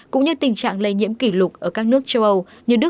cũng như tình trạng lây nhiễm kỷ lục ở các nước châu âu